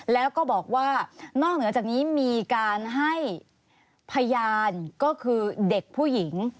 แล้วก็บอกว่านอกเหนือจากนี้มีการให้พยานก็คือเด็กผู้หญิง